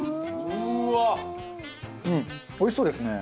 うんおいしそうですね。